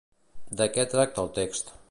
De què tracta el text?